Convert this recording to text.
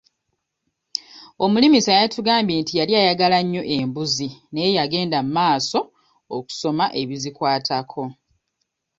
Omulimisa yatugambye nti yali ayagala nnyo embuzi naye yagenda mmaaso okusoma ebizikwatako.